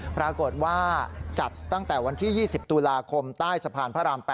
ปรากฏว่าจัดตั้งแต่วันที่๒๐ตุลาคมใต้สะพานพระราม๘